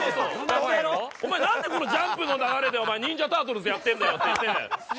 「お前なんでこの『ジャンプ』の流れで『ニンジャ・タートルズ』やってんだよ」って言って。